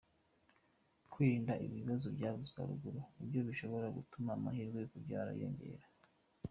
Kwirinda ibi bibazo byavuzwe haruguru ni byo bishobora gutuma amahirwe yo kubyara yiyongera.